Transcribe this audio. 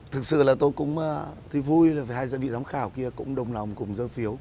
thực sự là tôi cũng thấy vui vì hai giám khảo kia cũng đồng lòng cùng giơ phiếu